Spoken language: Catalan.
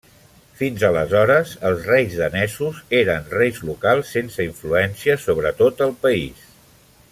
Fins aleshores els reis danesos eren reis locals sense influència sobre tot el país.